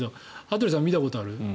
羽鳥さん、見たことある？